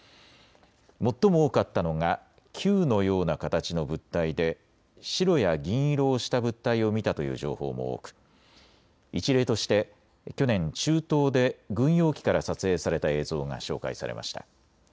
最も多かったのが球のような形の物体で白や銀色をした物体を見たという情報も多く一例として去年、中東で軍用機から撮影された映像が紹介されました。